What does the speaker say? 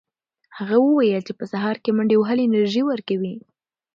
هغه وویل چې په سهار کې منډې وهل انرژي ورکوي.